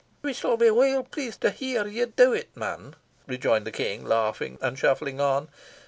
"We shall be weel pleased to hear ye do it, man," rejoined the King, laughing, and shuffling on.